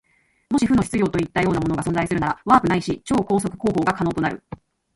もし負の質量といったようなものが存在するなら、ワープないし超光速航法が可能となる。